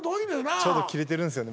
ちょうど切れてるんですよね